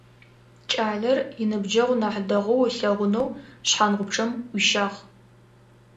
Кӏалэр, иныбджэгъу нахь дэгъоу ылъэгъунэу, шъхьангъупчъэм ӏуищагъ.